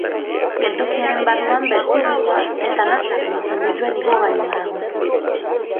Geltokiaren barruan bestibulua eta nasak lotzen dituen igogailua dago.